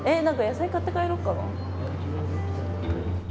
なんか野菜買って帰ろうかな。